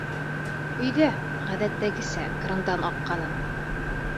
Өйҙә, ғәҙәттәгесә, крандан аҡҡанын.